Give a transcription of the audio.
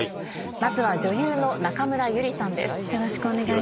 まずは女優の中村ゆりさんです。